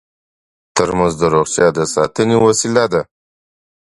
ترموز د روغتیا د ساتنې وسیله ده.